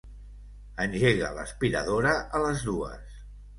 Engega l'aspiradora a les dues.